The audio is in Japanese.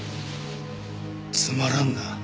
つまらんな。